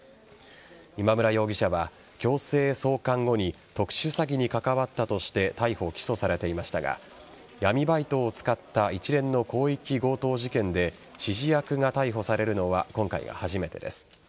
今村容疑者は強制送還後に特殊詐欺に関わったとして逮捕・起訴されていましたが闇バイトを使った一連の広域強盗事件で指示役が逮捕されるのは今回が初めてです。